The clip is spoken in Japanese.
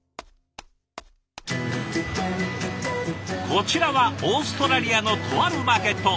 こちらはオーストラリアのとあるマーケット。